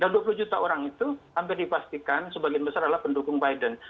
dan dua puluh juta orang itu hampir dipastikan sebagian besar adalah pendukung biden